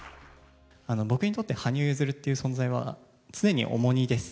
僕にとって羽生結弦って存在は、常に重荷です。